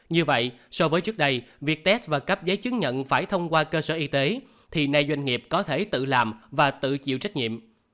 như vậy so với trước đây việc test và cấp giấy chứng nhận phải thông qua cơ sở y tế thì nay doanh nghiệp có thể tự làm và tự chịu trách nhiệm